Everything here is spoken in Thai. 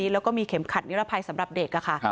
แล้วก็มีเข็มขัดนิรภัยสำหรับเด็กค่ะ